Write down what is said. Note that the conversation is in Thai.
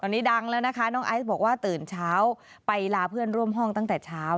ตอนนี้ดังแล้วนะคะน้องไอซ์บอกว่าตื่นเช้าไปลาเพื่อนร่วมห้องตั้งแต่เช้า